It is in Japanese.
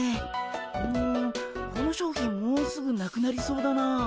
うんこの商品もうすぐなくなりそうだなあ。